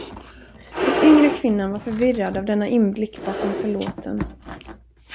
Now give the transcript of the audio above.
Den yngre kvinnan var förvirrad av denna inblick bakom förlåten.